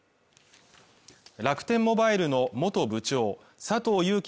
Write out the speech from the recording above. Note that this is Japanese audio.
楽天モバイルの元部長佐藤友紀